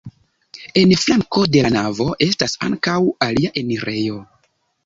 En flanko de la navo estas ankaŭ alia enirejo.